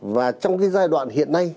và trong cái giai đoạn hiện nay